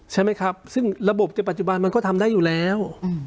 ใช่ไหมครับซึ่งระบบในปัจจุบันมันก็ทำได้อยู่แล้ว